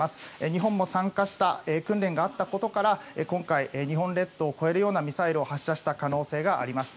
日本も参加した訓練があったことから今回、日本列島を越えるようなミサイルを発射した可能性があります。